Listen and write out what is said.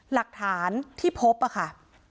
หลักฐานที่พบค่ะ